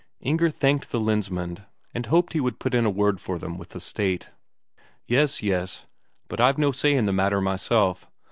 Inger thanked the Lensmand, and hoped he would put in a word for them with the State. "Yes, yes. But I've no say in the matter myself.